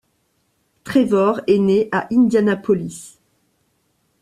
Trevor est né à Indianapolis.